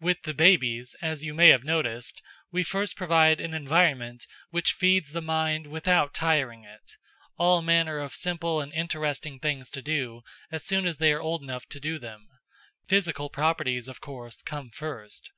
With the babies, as you may have noticed, we first provide an environment which feeds the mind without tiring it; all manner of simple and interesting things to do, as soon as they are old enough to do them; physical properties, of course, come first.